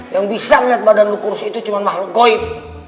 yang bisa melihat badan lu kurus itu cuma mahluk goib